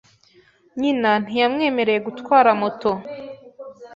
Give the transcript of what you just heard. Nyina ntiyamwemereye gutwara moto .